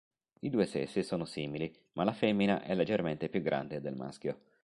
I due sessi sono simili, ma la femmina è leggermente più grande del maschio.